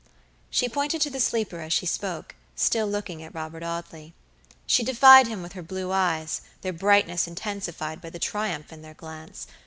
She pointed to the sleeper as she spoke, still looking at Robert Audley. She defied him with her blue eyes, their brightness intensified by the triumph in their glance.